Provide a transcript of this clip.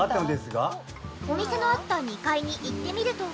お店のあった２階に行ってみると。